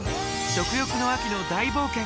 食欲の秋の大冒険。